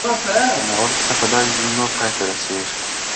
د ناول کيسه په داسې جملو پای ته رسېږي